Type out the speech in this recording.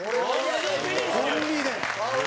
コンビで。